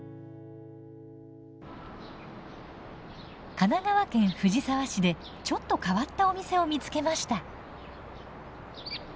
神奈川県藤沢市でちょっと変わったお店を見つけました。